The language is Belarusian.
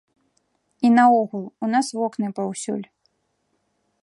І наогул, у нас вокны паўсюль.